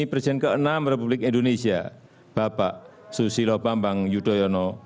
presiden ke enam republik indonesia bapak susilo bambang yudhoyono